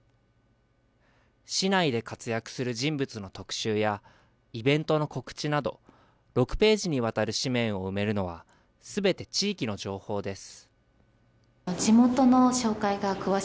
市内で活躍する人物の特集や、イベントの告知など、６ページにわたる紙面を埋めるのは、すべて地域の情報です。